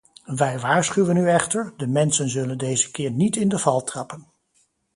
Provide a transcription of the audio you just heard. Wij waarschuwen u echter: de mensen zullen deze keer niet in de val trappen.